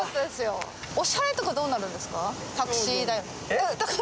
お支払いとかどうなるんですか？